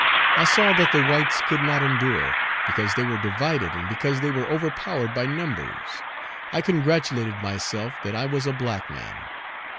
I saw that the whites could not endure, because they were divided and because they were overpowered by numbers; I congratulated myself that I was a black man.